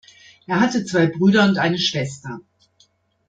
Er hatte zwei Brüder und eine Schwester.